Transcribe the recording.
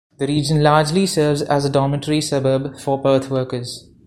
The region largely serves as a dormitory suburb for Perth workers.